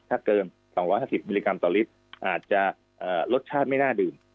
ถ้าเกิน๒๕๐มิลลิกรัมต่อลิตรอาจจะรสชาติไม่น่าดื่ม